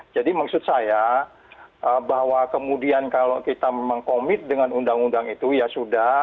jadi maksud saya bahwa kemudian kalau kita mengkomit dengan undang undang itu ya sudah